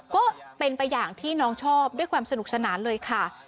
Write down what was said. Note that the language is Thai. ก็เป็นไปอย่างที่น้องชอบด้วยความสนุกสนานเลยค่ะ